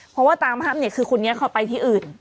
เพราะว่าตามภาพเนี่ยคือคนนี้เขาไปที่อื่น